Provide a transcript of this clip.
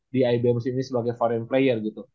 di ibl musim ini sebagai foreign player gitu